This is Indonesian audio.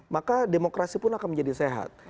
maka demokrasi pun akan menjadi sehat